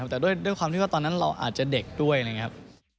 แต่ด้วยความที่ว่าตอนนั้นเราอาจจะเด็กด้วยอะไรอย่างนี้ครับ